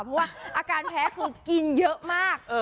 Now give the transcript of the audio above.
เพราะว่าอาการแพ้คือกินเยอะมาก